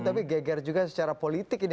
tapi geger juga secara politik ini